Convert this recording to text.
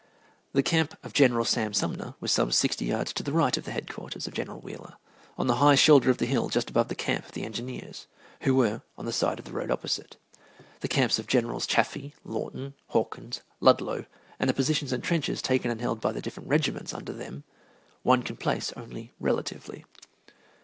The camp of General Sam Sumner was some sixty yards to the right of the head quarters of General Wheeler, on the high shoulder of the hill just above the camp of the engineers, who were on the side of the road opposite. The camps of Generals Chaffee, Lawton, Hawkins, Ludlow, and the positions and trenches taken and held by the different regiments under them one can place only relatively.